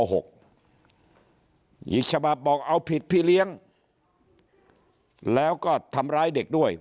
อีกฉบับบอกเอาผิดพี่เลี้ยงแล้วก็ทำร้ายเด็กด้วย